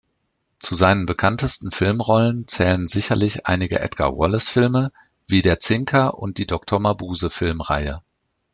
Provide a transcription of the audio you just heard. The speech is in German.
Zu seinen bekanntesten Filmrollen zählen sicherlich einige Edgar-Wallace-Filme, wie "Der Zinker" und die "Doktor-Mabuse"-Filmreihe.